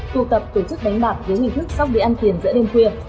tụ tập tổ chức đánh bạc với hình thức sóc đi ăn tiền giữa đêm khuya